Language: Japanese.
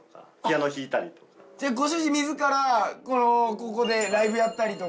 じゃあご主人自らここでライブやったりとか。